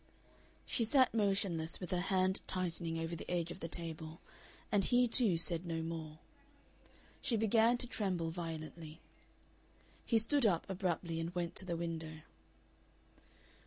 She sat motionless, with her hand tightening over the edge of the table, and he, too, said no more. She began to tremble violently. He stood up abruptly and went to the window.